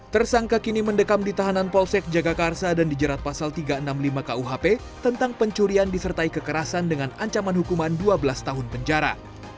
tersangka kini mendekam di tahanan polsek jagakarsa dan dijerat pasal tiga ratus enam puluh lima kuhp tentang pencurian disertai kekerasan dengan ancaman hukuman dua belas tahun penjara